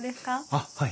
あっはい。